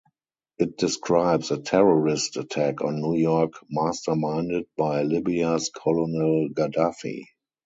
It describes a terrorist attack on New York masterminded by Libya's Colonel Gaddafi.